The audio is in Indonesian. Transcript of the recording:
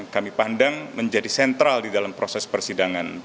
kami pandang menjadi sentral di dalam proses persidangan